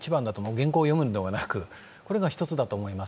原稿を読むのではなくて、これが１つだと思います。